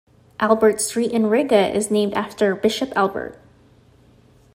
Albert Street in Riga is named after Bishop Albert.